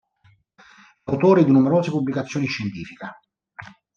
È autore di numerose pubblicazioni scientifiche.